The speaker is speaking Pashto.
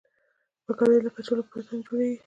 پکورې له کچالو پرته هم جوړېږي